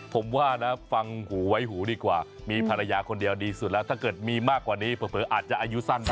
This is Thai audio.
ผมว่านะฟังหูไว้หูดีกว่ามีภรรยาคนเดียวดีสุดแล้วถ้าเกิดมีมากกว่านี้เผลออาจจะอายุสั้นได้